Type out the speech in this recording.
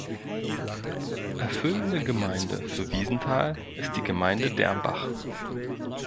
Erfüllende Gemeinde für Wiesenthal ist die Gemeinde Dermbach.